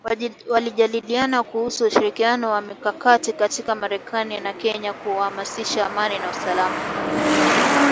Walijadiliana kuhusu ushirikiano wa kimkakati kati ya Marekani na Kenya kuhamasisha amani na usalama